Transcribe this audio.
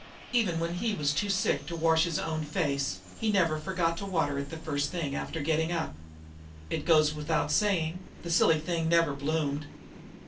Even when he was too sick to wash his own face he never forgot to water it the first thing after getting up. It goes without saying, the silly thing never bloomed.